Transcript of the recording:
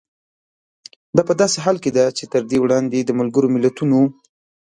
دا په داسې حال کې ده چې تر دې وړاندې د ملګرو ملتونو